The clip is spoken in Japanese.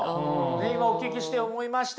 今お聞きして思いました。